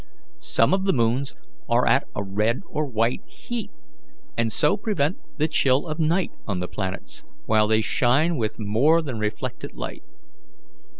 Some of the moons are at a red or white heat, and so prevent the chill of night on the planets, while they shine with more than reflected light.